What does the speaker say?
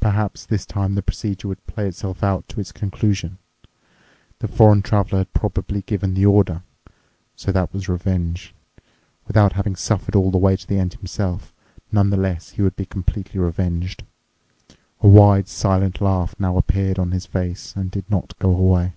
Perhaps this time the procedure would play itself out to its conclusion. The foreign Traveler had probably given the order. So that was revenge. Without having suffered all the way to the end himself, nonetheless he would be completely revenged. A wide, silent laugh now appeared on his face and did not go away.